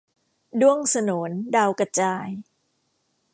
ด้วงโสน-ดาวกระจาย